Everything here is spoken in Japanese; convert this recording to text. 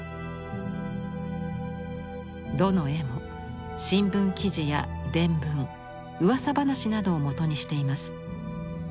どの絵も新聞記事や伝聞うわさ話などをもとにしています。